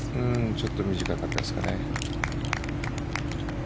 ちょっと短かったですかね。